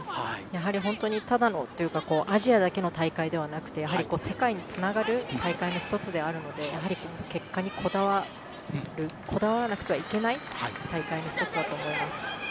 やはりアジアだけの大会ではなく世界につながる大会の１つであるので結果にこだわらなくてはいけない大会の１つだと思います。